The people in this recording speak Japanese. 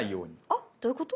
あどういうこと？